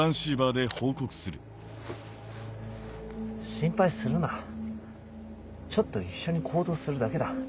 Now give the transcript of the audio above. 心配するなちょっと一緒に行動するだけだ。